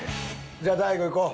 じゃあ大悟いこう！